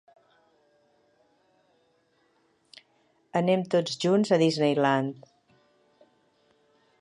Anem tots junts a Disney Land.